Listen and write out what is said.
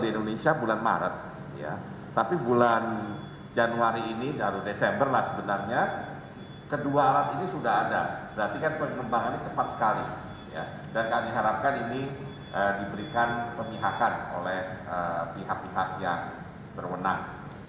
dan kami harapkan ini diberikan pemihakan oleh pihak pihak yang berwenang